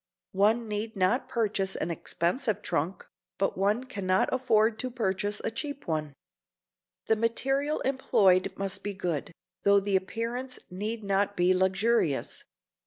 One need not purchase an expensive trunk, but one can not afford to purchase a cheap one. The material employed must be good, though the appearance need not be luxurious.